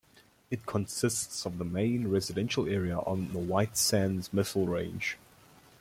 It consists of the main residential area on the White Sands Missile Range.